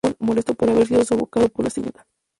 Parton, molesto por haber sido socavado por la Srta.